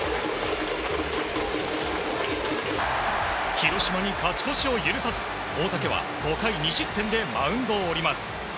広島に勝ち越しを許さず大竹は５回２失点でマウンドを降ります。